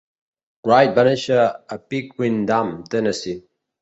Wright va néixer a Pickwick Dam, Tennessee.